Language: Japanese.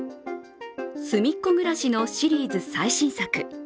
「すみっコぐらし」のシリーズ最新作。